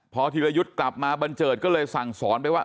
พอธิรยุทธ์กลับมาบันเจิดก็เลยสั่งสอนไปว่า